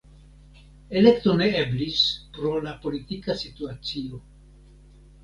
Elekto ne eblis pro la politika situacio.